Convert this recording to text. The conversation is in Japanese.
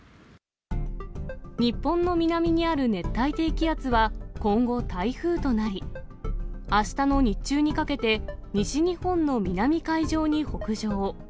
日本の南にある熱帯低気圧は、今後、台風となり、あしたの日中にかけて、西日本の南海上に北上。